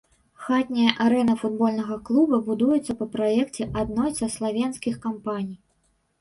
Хатняя арэна футбольнага клуба будуецца па праекце адной са славенскіх кампаній.